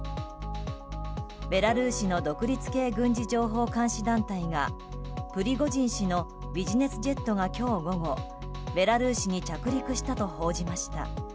ベラルーシの独立系軍事情報監視団体がプリゴジン氏のビジネスジェットが今日午後ベラルーシに着陸したと報じました。